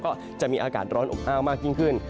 ก็จะมีอากาศร้อนอบอ้าวมากยิ่งขึ้น